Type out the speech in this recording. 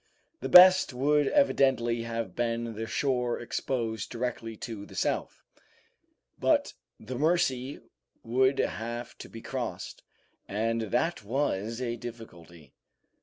The best would evidently have been the shore exposed directly to the south; but the Mercy would have to be crossed, and that was a difficulty.